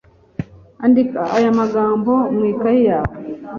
Andika aya magambo mu ikaye yawe.